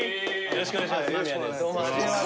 よろしくお願いします。